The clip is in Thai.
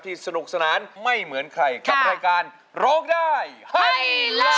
สนุกสนานไม่เหมือนใครกับรายการร้องได้ให้ล้าน